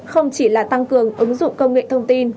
không chỉ là tăng cường ứng dụng công nghệ thông tin